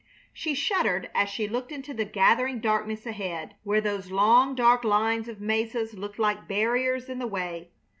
She shuddered as she looked into the gathering darkness ahead, where those long, dark lines of mesas looked like barriers in the way.